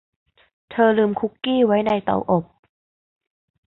เธอลืมคุกกี้ไว้ในเตาอบ